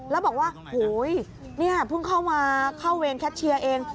แล้วบอกว่าโอ้โฮนี่เพิ่งเข้าเวรแคชเชียร์เอง